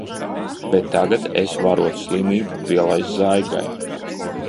Bet tagad es varot slimību pielaist Zaigai.